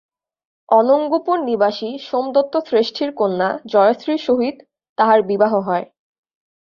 অনঙ্গপুর নিবাসী সোমদত্ত শ্রেষ্ঠীর কন্যা জয়শ্রীর সহিত তাহার বিবাহ হয়।